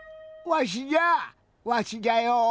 わしじゃわしじゃよ。